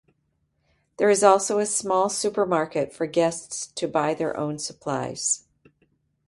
There is also a small supermarket for guests to buy their own supplies.